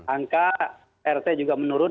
angka rt juga menurun enam puluh lima